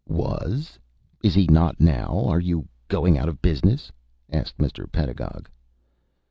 "Was? Is he not now? Are you going out of business?" asked Mr. Pedagog.